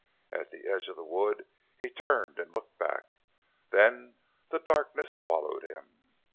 At the edge of the wood he turned and looked back. Then the darkness swallowed him.